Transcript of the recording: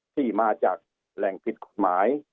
ที่มาจากแหล่งผิดกฎหมาย